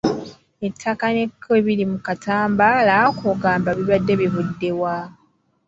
Ettaka n'ekko ebiri mu katambaala ako ogamba biba bivudde wa?